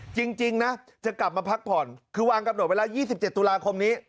จริงนะจะกลับมาพักผ่อนคือวางกำหนดไว้แล้ว๒๗ตุลาคมนี้